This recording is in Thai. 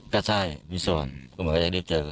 ก็ใช่มีส่วนก็เหมือนกันอยากรีบเจอ